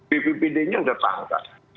bppd nya sudah tangkap